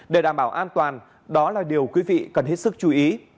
để đảm bảo an toàn đó là điều quý vị cần hết sức chú ý